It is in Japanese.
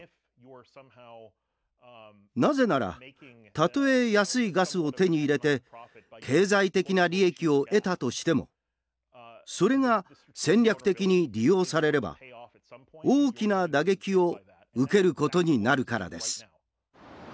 なぜならたとえ安いガスを手に入れて経済的な利益を得たとしてもそれが戦略的に利用されれば大きな打撃を受けることになるからです。